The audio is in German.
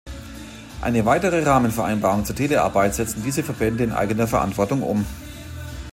Eine weitere Rahmenvereinbarung zur Telearbeit setzen diese Verbände in eigener Verantwortung um.